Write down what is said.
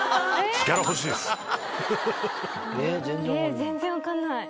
・全然分かんない。